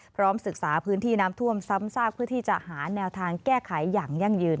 พร้อมศึกษาพื้นที่น้ำท่วมซ้ำซากเพื่อที่จะหาแนวทางแก้ไขอย่างยั่งยืน